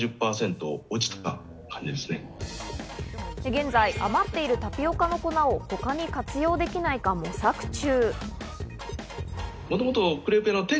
現在、余っているタピオカの粉を他に活用できないか模索中。